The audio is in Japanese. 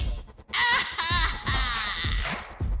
アッハッハー！